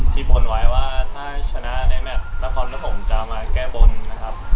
ที่บนไว้ว่าถ้าชนะในแมทนาคอลและผมจะมาแก้บนนะครับ